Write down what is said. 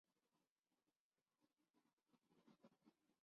ان کا نام جعفر کنیت ابو عبد اللہ اور لقب صادق تھا